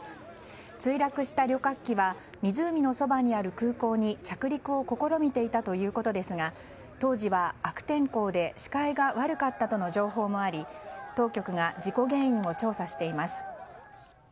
墜落した旅客機は湖のそばにある空港に着陸を試みていたということですが当時は悪天候で視界が悪かったとの情報もあり当局が事故原因を調査しています。